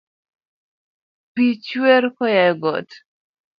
Pi chwer koya e got